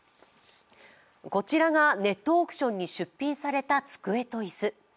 こちらがネットオークションに出品された机と椅子。